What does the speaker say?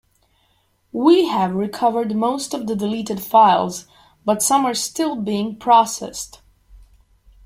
We have recovered most of the deleted files, but some are still being processed.